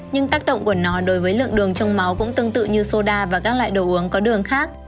nhưng tác động của nó đối với lượng đường trong máu cũng tương tự như soda và các loại đồ uống có đường khác